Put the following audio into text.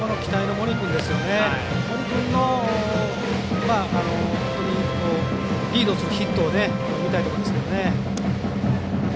森君のリードするヒットを見たいところですけどね。